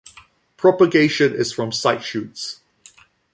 Propagation is from side shoots.